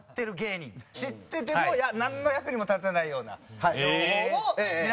知っててもなんの役にも立たないような情報を皆さんそれぞれ。